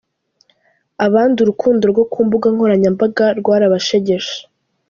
Abandi urukundo rwo ku mbuga nkoranyambaga rwarabashegeshe.